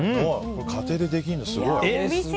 家庭でできるんだ、すごい！